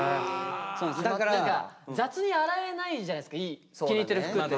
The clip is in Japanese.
何か雑に洗えないじゃないですか気に入ってる服って。